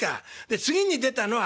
次に出たのは『春雨』」。